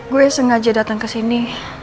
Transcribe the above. gue sengaja datang kesini